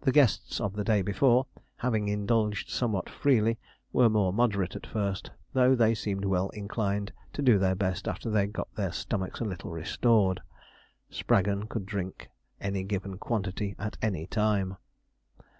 The guests of the day before, having indulged somewhat freely, were more moderate at first, though they seemed well inclined to do their best after they got their stomachs a little restored. Spraggon could drink any given quantity at any time.